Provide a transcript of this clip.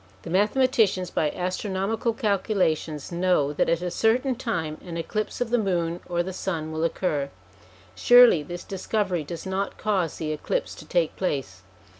The mathematicians by astronomical calculations know that at a certain time an eclipse of the moon or the sun will occur. Surely this discovery does not cause the eclipse to take place.